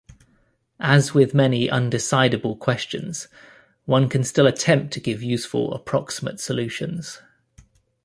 As with many undecidable questions, one can still attempt to give useful approximate solutions.